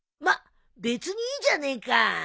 まあ別にいいじゃねーか。